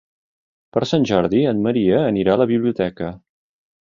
Per Sant Jordi en Maria anirà a la biblioteca.